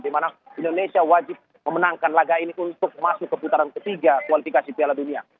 di mana indonesia wajib memenangkan laga ini untuk masuk ke putaran ketiga kualifikasi piala dunia